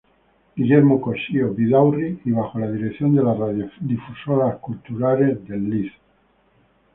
Guillermo Cosío Vidaurri y bajo la Dirección de las Radiodifusoras Culturales del Lic.